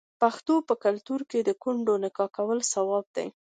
د پښتنو په کلتور کې د کونډې نکاح کول ثواب دی.